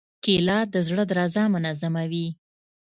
کېله د زړه درزا منظموي.